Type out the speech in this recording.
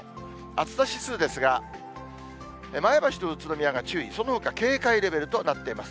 暑さ指数ですが、前橋と宇都宮が注意、そのほかは警戒レベルとなっています。